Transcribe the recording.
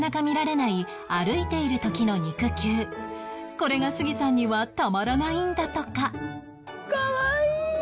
これが杉さんにはたまらないんだとか